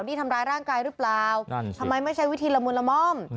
นี่ทำร้ายร่างกายหรือเปล่านั่นทำไมไม่ใช่วิธีละมุนละม่อม